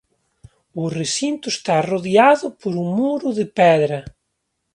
O recinto está rodeado por un muro de pedra.